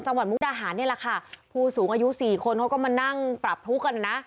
มุกดาหารนี่แหละค่ะผู้สูงอายุสี่คนเขาก็มานั่งปรับทุกข์กันนะ